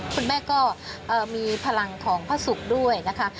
คุณแม่ก็มีพลังของพระศุกร์ด้วยนะคะ